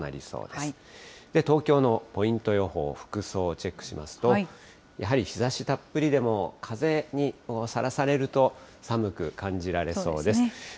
きょうの東京のポイント予報、服装チェックしますと、やはり日ざしたっぷりでも、風にさらされると寒く感じられそうです。